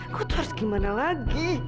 kau tuh harus gimana lagi